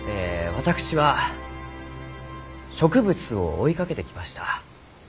私は植物を追いかけてきました。